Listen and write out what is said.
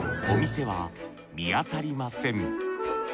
お店は見当たりません。